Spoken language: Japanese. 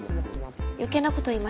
余計なこと言いました。